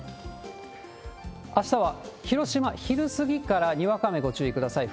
あしたは広島、昼過ぎからにわか雨ご注意ください。